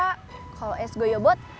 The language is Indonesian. kalau es goyobot